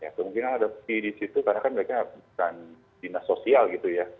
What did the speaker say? kemungkinan ada fee di situ karena kan mereka bukan dinas sosial gitu ya